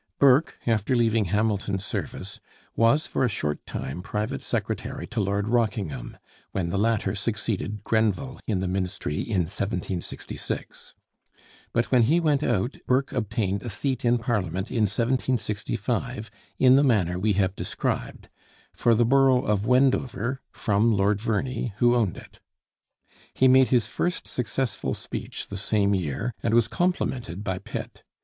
Burke after leaving Hamilton's service was for a short time private secretary to Lord Rockingham, when the latter succeeded Grenville in the Ministry in 1766; but when he went out, Burke obtained a seat in Parliament in 1765 in the manner we have described, for the borough of Wendover, from Lord Verney, who owned it. He made his first successful speech the same year, and was complimented by Pitt.